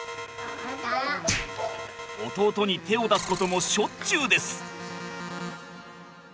弟に手を出すこともしょっちゅうです。